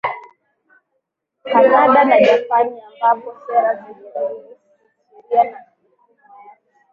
Kanada na Japani ambapo sera zenye nguvu sheria na mifumo ya